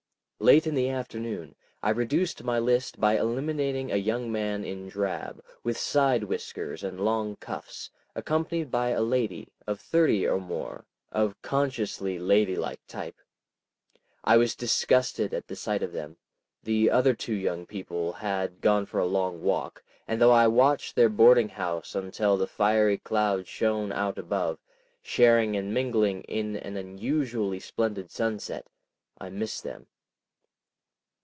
Late in the afternoon I reduced my list by eliminating a young man in drab, with side whiskers and long cuffs, accompanied by a lady, of thirty or more, of consciously ladylike type. I was disgusted at the sight of them; the other two young people had gone for a long walk, and though I watched their boarding house until the fiery cloud shone out above, sharing and mingling in an unusually splendid sunset, I missed them.